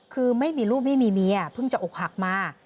คือไม่มีลูกไม่มีเมียเพิ่งจะอกหักมา